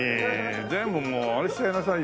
全部もうあれしちゃいなさいよ。